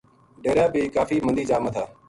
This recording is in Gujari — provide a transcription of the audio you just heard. ڈیرا بھی کافی مندی جا ماتھا